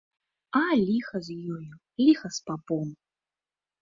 А ліха з ёю, ліха з папом!